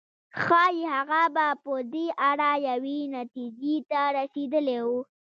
ښايي هغه به په دې اړه یوې نتيجې ته رسېدلی و.